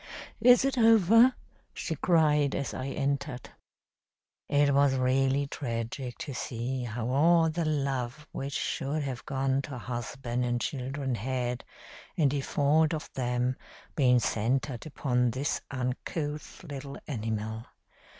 'Is it over?' she cried as I entered. It was really tragic to see how all the love which should have gone to husband and children had, in default of them, been centred upon this uncouth little animal.